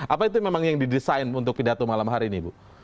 apa itu memang yang didesain untuk pidato malam hari ini ibu